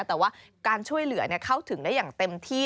แต่ว่าการช่วยเหลือเข้าถึงได้อย่างเต็มที่